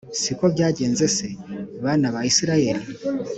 si ko byagenze se, bana ba Israheli?